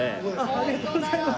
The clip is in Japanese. ありがとうございます。